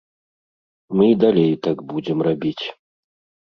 Мы і далей так будзем рабіць.